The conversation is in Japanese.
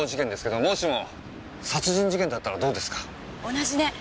同じね。